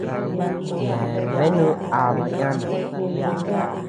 Yeabeanu aaba yana.